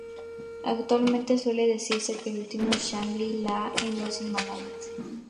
Actualmente suele decirse que el último Shangri-La en los himalayas.